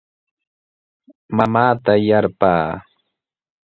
Mamaata yarpaa.